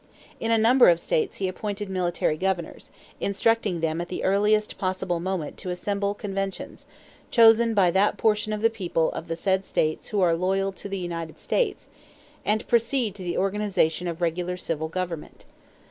In a number of states he appointed military governors, instructing them at the earliest possible moment to assemble conventions, chosen "by that portion of the people of the said states who are loyal to the United States," and proceed to the organization of regular civil government.